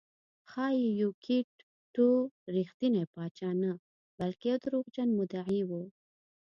ښایي یوکیت ټو رښتینی پاچا نه بلکې یو دروغجن مدعي و